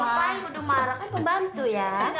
pak yang udah marah kan pembantu ya